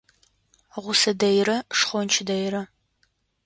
Гъусэ дэйрэ, шхонч дэйрэ.